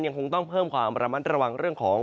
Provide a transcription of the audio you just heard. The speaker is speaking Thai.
คงต้องเพิ่มความระมัดระวังเรื่องของ